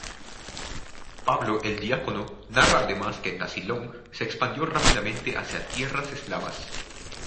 Pablo el Diácono narra además que Tasilón se expandió rápidamente hacia tierras eslavas.